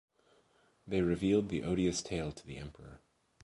They revealed the odious tale to the emperor.